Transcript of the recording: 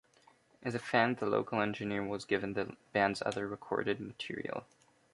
As a fan the local engineer was given the band's other recorded material.